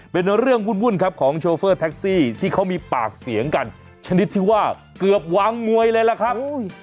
เป็นเรื่องวุ่นครับของโชเฟอร์แท็กซี่ที่เขามีปากเสียงกันชนิดที่ว่าเกือบวางมวยเลยล่ะครับ